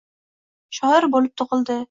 Shoir bo’lib tug’ildi.